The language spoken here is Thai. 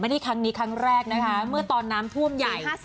ครั้งนี้ครั้งแรกนะคะเมื่อตอนน้ำท่วมใหญ่